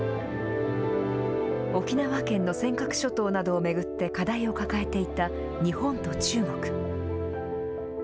沖縄県の尖閣諸島などを巡って課題を抱えていた日本と中国。